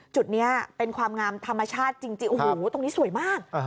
จุดนี้เป็นความงามธรรมชาติจริงโอ้โหตรงนี้สวยมาก